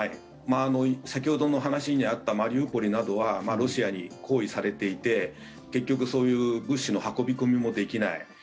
先ほどの話にあったマリウポリなどはロシアに包囲されていて結局、そういう物資の運び込みもできない。